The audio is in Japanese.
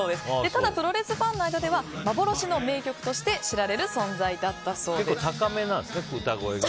ただ、プロレスファンの間では幻の名曲として知られているそうです。